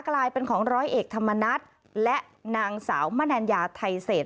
กลายเป็นของร้อยเอกธรรมนัฏและนางสาวมนัญญาไทยเศษ